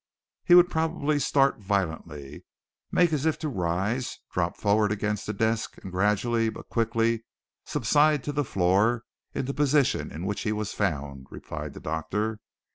"He would probably start violently, make as if to rise, drop forward against the desk and gradually but quickly subside to the floor in the position in which he was found," replied the doctor.